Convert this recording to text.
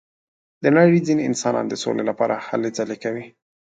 د نړۍ ځینې انسانان د سولې لپاره هلې ځلې کوي.